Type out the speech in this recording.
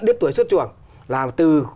đến tuổi xuất trường là từ